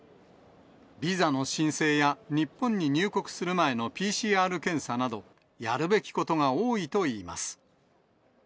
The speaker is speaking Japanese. ビザの申請や、日本に入国する前のＰＣＲ検査など、やるべきことが多いといいます。